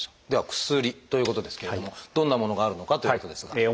では「薬」ということですけれどもどんなものがあるのかということですが。